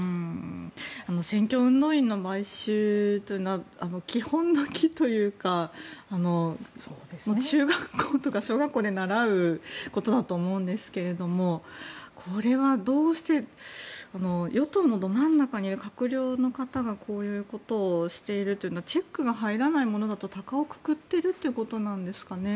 選挙運動員の買収というのは基本の「き」というか中学校とか小学校で習うことだと思うんですけどもこれはどうして与党のど真ん中にいる閣僚の方がこういうことをしているというのはチェックが入らないものだと高をくくっているということなんですかね。